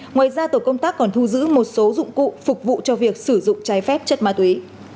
ngoài ra tổ công tác còn thu giữ một số dụng cụ phục vụ cho việc sử dụng trái phép chất ma túy